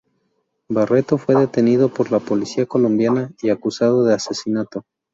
Barreto fue detenido por la Policía Colombiana y acusado del asesinato.